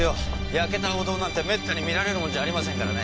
焼けたお堂なんて滅多に見られるもんじゃありませんからね。